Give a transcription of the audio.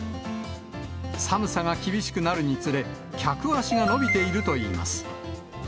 寒さが厳しくなるにつれ、客足が伸びているといいます。